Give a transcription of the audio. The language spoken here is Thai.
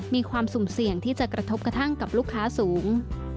มีความสุ่มเสี่ยงที่จะกระทบกระทั่งกับลูกค้าสูง